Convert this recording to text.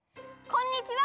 こんにちは！